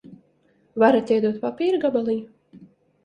Varat iedot papīra gabaliņu?